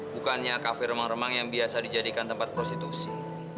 bukannya kafe remang remang yang biasa dijadikan tempat prostitusi